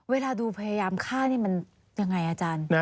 เวลาดูพยายามฆ่านี่มันยังไงอาจารย์